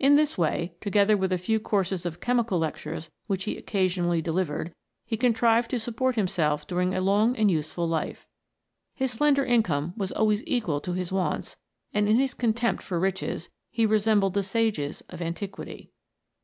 In this way, together with a few courses of chemical lectures which he occasionally delivered, he contrived to support him self during a long and useful life. His slender in come was always equal to his wants, and in his con tempt for riches he resembled the sages of antiquity.